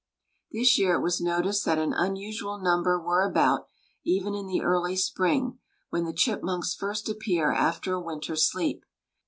This year it was noticed that an unusual number were about, even in the early spring, when the chipmunks first appear after a winter's sleep.